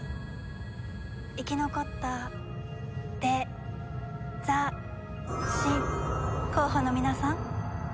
生き残った「デザ神」候補の皆さん